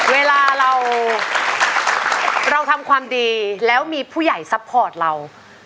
เวลาเราทำความดีแล้วมีผู้ใหญ่ซัพพอร์ตเรา